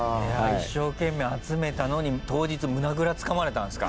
一生懸命集めたのに当日胸ぐらつかまれたんすか？